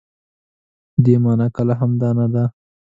دې مانا کله هم دا نه ده.